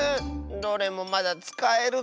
どれもまだつかえるぞ。